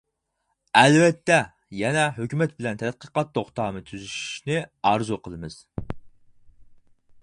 ئەلۋەتتە، يەنە ھۆكۈمەت بىلەن تەتقىقات توختامى تۈزۈشنى ئارزۇ قىلىمىز.